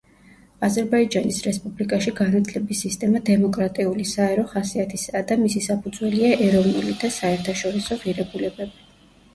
აზერბაიჯანის რესპუბლიკაში განათლების სისტემა დემოკრატიული, საერო ხასიათისაა და მისი საფუძველია ეროვნული და საერთაშორისო ღირებულებები.